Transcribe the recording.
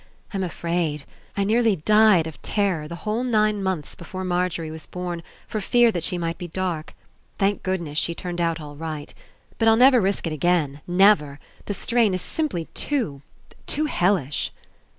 I'm afraid. I nearly died of terror the whole nine months before Margery was born for fear that she might be dark. Thank goodness, she turned out all right. But I'll never risk It again. Never ! The strain Is simply too — too hellish."